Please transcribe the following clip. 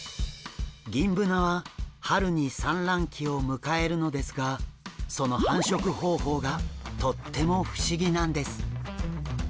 ギンブナは春に産卵期を迎えるのですがその繁殖方法がとっても不思議なんです。